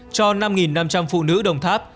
cho năm năm trăm linh phụ nữ đồng tháp